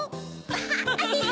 アハハハ！